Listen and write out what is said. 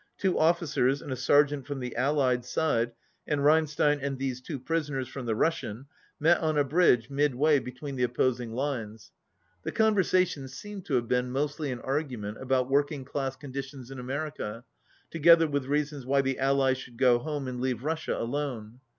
Two officers and a sergeant from the Allied side and Reinstein and these two prisoners from the Russian, met on a bridge midway between the op 36 posing lines. The conversation seemed to have been mostly an argument about working class con ditions in America, together with reasons why the Allies should go home and leave Russia alone.